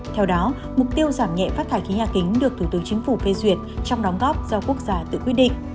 theo đó mục tiêu giảm nhẹ phát thải khí nhà kính được thủ tướng chính phủ phê duyệt trong đóng góp do quốc gia tự quyết định